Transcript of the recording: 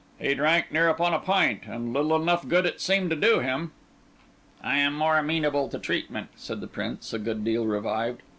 "He drank near upon a pint, and little enough good it seemed to do him!" "I am more amenable to treatment," said the Prince, a good deal revived.